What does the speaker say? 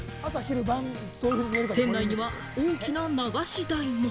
店内には大きな流し台も。